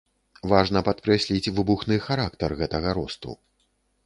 Важна падкрэсліць выбухны характар гэтага росту.